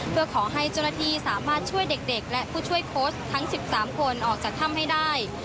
เพื่อขอให้เจ้าหน้าที่สามารถช่วยเด็กและผู้ช่วยโค้ชทั้ง๑๓คนออกจากถ้ำให้ได้